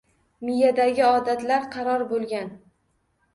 Miyadagi odatlar qaror bo'lgan.